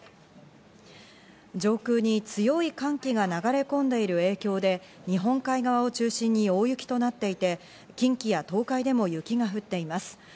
上空に強い寒気が流れ込んでいる影響で日本海側を中心に大雪となっていて近畿や東海でも雪が降っています。